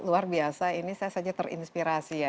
luar biasa ini saya saja terinspirasi ya